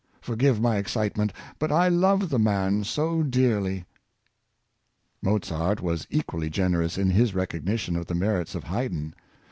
Forgive my excitement; but I love the man so dearly !" Mozart was equally generous in his recognition of the merits of Haydn.